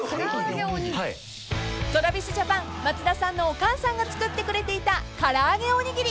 ［ＴｒａｖｉｓＪａｐａｎ松田さんのお母さんが作ってくれていた唐揚げおにぎり］